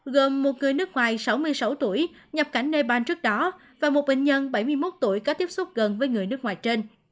gồm một người nước ngoài sáu mươi sáu tuổi nhập cảnh nepal trước đó và một bệnh nhân bảy mươi một tuổi có tiếp xúc gần với người nước ngoài trên